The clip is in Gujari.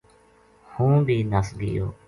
ہوں بھی نس گیو